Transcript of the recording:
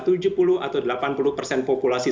tujuh puluh atau delapan puluh persen populasi